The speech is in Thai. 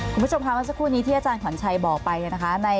คุณผู้ชมค่ะเมื่อสักครู่นี้ที่อาจารย์ขวัญชัยบอกไปนะคะ